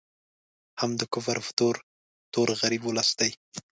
هم د کفر په تور، تور غریب ولس دی